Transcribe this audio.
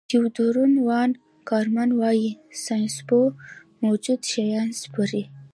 تیودور وان کارمن وايي ساینسپوه موجود شیان سپړي.